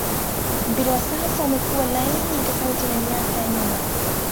mpira wa sasa umekua laini tofauti na miaka ya nyuma